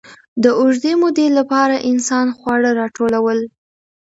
د اوږدې مودې لپاره انسان خواړه راټولول.